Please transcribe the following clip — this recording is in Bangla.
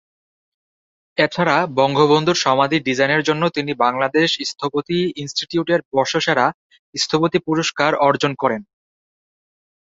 এছাড়া বঙ্গবন্ধুর সমাধি ডিজাইনের জন্য তিনি বাংলাদেশ স্থপতি ইন্সটিটিউটের বর্ষসেরা স্থপতি পুরস্কার অর্জন করেন।